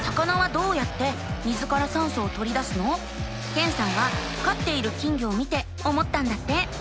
けんさんはかっている金魚を見て思ったんだって。